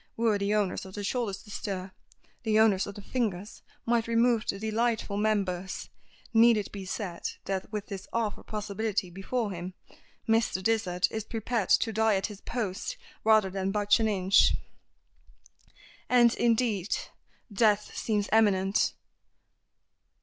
Were the owners of the shoulders to stir, the owners of the fingers might remove the delightful members. Need it be said that, with this awful possibility before him, Mr. Dysart is prepared to die at his post rather than budge an inch. And, indeed, death seems imminent.